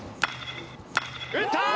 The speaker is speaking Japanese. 打った！